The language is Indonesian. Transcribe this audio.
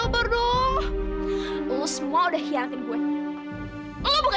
keputusan harus dis trudga